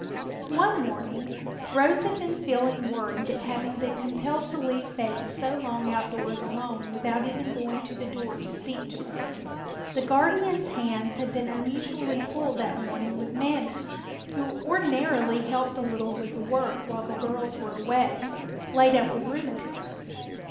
One morning Rose had been feeling worried at having been compelled to leave Faith so long outdoors alone without even going to the door to speak to her. The guardian's hands had been unusually full that morning with Mammy, who ordinarily helped a little with the work while the girls were away, laid up with rheumatism.